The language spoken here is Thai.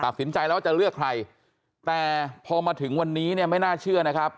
ตัดสินใจแล้วว่าจะเลือกใครแต่พอมาถึงวันนี้เนี่ยไม่น่าเชื่อนะครับ